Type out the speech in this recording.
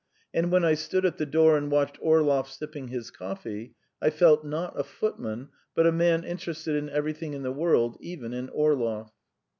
And when I stood at the door and watched Orlov sipping his coffee, I felt not a footman, but a man interested in everything in the world, even in Orlov.